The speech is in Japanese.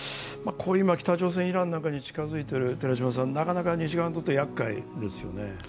今北朝鮮、イランなんかに近づいてる、なかなか西側にとってやっかいですね。